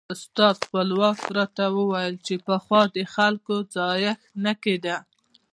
استاد خپلواک راته ویل چې پخوا د خلکو ځایښت نه کېده.